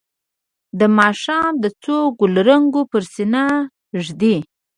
د ماښام د څو ګلرنګو پر سینه ږدي